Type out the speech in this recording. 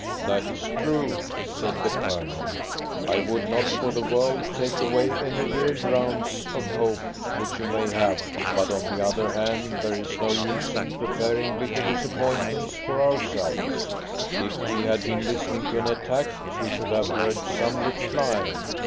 "That is true," said the Colonel. "I would not for the world take away any real grounds of hope which you may have; but on the other hand, there is no use in preparing bitter disappointments for ourselves. If we had been listening to an attack, we should have heard some reply.